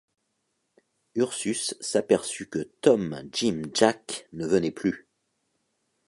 Ursus s’aperçut que Tom-Jim-Jack ne venait plus ;